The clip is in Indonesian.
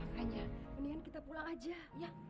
makanya mendingan kita pulang aja